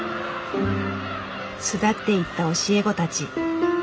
巣立っていった教え子たち。